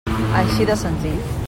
Així de senzill.